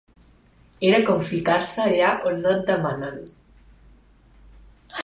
Era com ficar-se allà on no et demanen.